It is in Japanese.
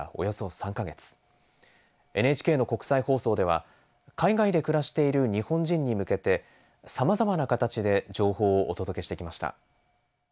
ＮＨＫの国際放送では海外で暮らしている日本人に向けてさまざまな形で情報をお届けしてきました。